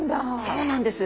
そうなんです。